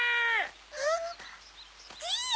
あっじいや！